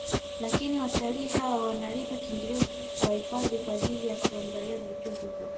Lakini watalii hao wanalipa kiingilio kwa hifadhi kwa ajili ya kuangalia vivutio hivyo